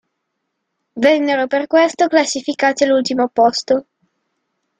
Vennero per questo classificati all'ultimo posto.